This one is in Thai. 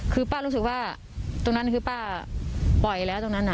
คือป้ารู้สึกว่าตรงนั้นคือป้าปล่อยแล้วตรงนั้น